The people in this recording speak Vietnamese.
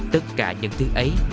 tất cả những thứ ấy